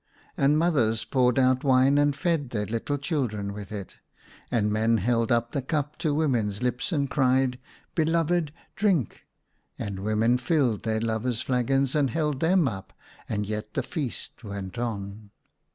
And mothers poured out wine and fed their little children with it, and men held up the cup to women's lips and cried, " Beloved ! drink," and women filled their lovers' flagons and held them up ; and yet the feast went on.